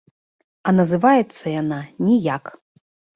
А называецца яна ніяк!